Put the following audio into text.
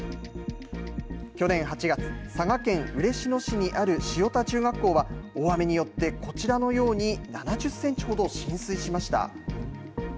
去年８月、佐賀県嬉野市にある塩田中学校は、大雨によって、こちらのように７０センチほど浸水しました。